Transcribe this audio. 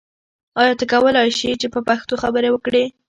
ایا ته کولای شې چې په پښتو خبرې وکړې؟